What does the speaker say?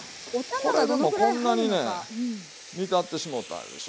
これでもこんなにね煮立ってしもうたでしょ。